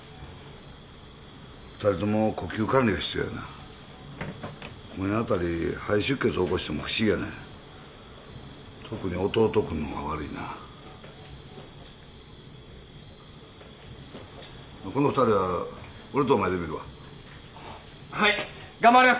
二人とも呼吸管理が必要やな今夜あたり肺出血を起こしても不思議やない特に弟君の方が悪いなこの二人は俺とお前で診るわはいがんばります！